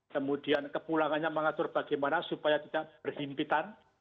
kemudian kepulangannya mengatur bagaimana supaya tidak berhimpitan